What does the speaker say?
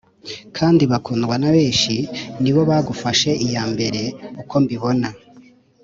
kandi bakundwa na benshi ni bo bagafashe iya mbere uko mbibona.